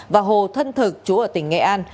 và hồ thân thực chú ở tỉnh nghệ an